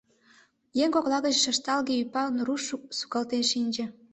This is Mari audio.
Еҥ кокла гыч шышталге ӱпан руш сукалтен шинче.